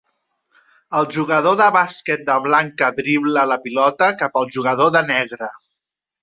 El jugador de bàsquet de blanca dribla la pilota cap al jugador de negre.